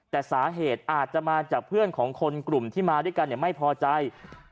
แต่สาเหตุอาจจะมาจากเพื่อนของคนกลุ่มที่มาด้วยกันไม่พอใจ